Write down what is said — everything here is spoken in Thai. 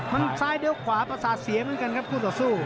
มันซ้ายเด้วกว่าพักษ่าเสียเหมือนกันครับคู่ต่อสู้